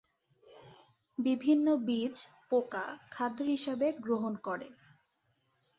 বিভিন্ন বীজ, পোকা খাদ্য হিসাবে গ্রহণ করে।